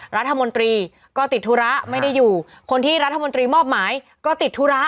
รัฐมนตรีก็ติดธุระไม่ได้อยู่คนที่รัฐมนตรีมอบหมายก็ติดธุระ